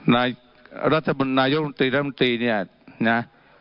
นายุงุ่งตรีนายุงุ่งตรีเนี่ยนะ